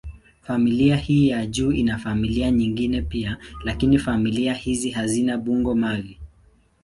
Familia hii ya juu ina familia nyingine pia, lakini familia hizi hazina bungo-mavi.